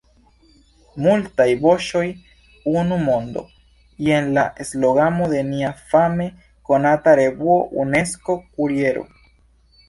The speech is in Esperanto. “Multaj voĉoj, unu mondo” – jen la slogano de nia fame konata revuo Unesko-kuriero.